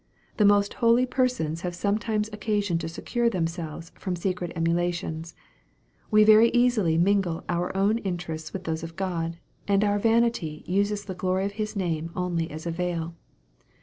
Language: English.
The most holy persons have sometimes occasion to secure themselves from secret emulations. We very easily mingle our own interests with those of God ; and our vanity uses the glory of His name only as a veil.